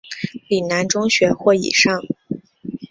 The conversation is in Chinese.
岭南中学或以上。